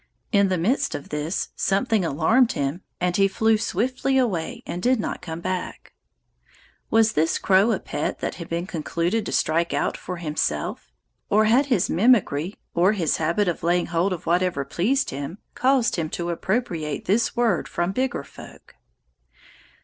In the midst of this, something alarmed him, and he flew swiftly away and did not come back. Was this crow a pet that had concluded to strike out for himself? Or had his mimicry or his habit of laying hold of whatever pleased him caused him to appropriate this word from bigger folk?